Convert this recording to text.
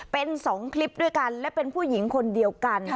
เป็น๒คลิปด้วยกันและเป็นผู้หญิงคนเดียวกัน